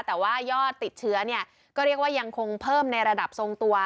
แต่ว่ายอดติดเชื้อเนี่ยก็เรียกว่ายังคงเพิ่มในระดับทรงตัว